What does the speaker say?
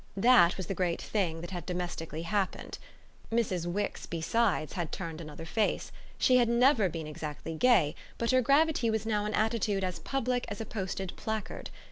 That was the great thing that had domestically happened. Mrs. Wix, besides, had turned another face: she had never been exactly gay, but her gravity was now an attitude as public as a posted placard.